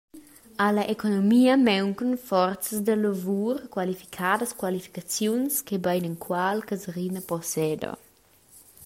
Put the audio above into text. Alla economia mauncan forzas da lavur qualificadas, qualificaziuns che beinenqual casarina posseda.